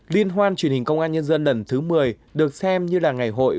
liên hoan truyền hình công an nhân dân lần thứ một mươi được xem như là ngày hội